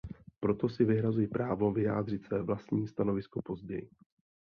Proto si vyhrazuji právo vyjádřit své vlastní stanovisko později.